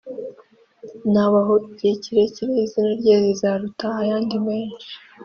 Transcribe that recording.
Nabaho igihe kirekire, izina rye rizaruta ayandi menshi,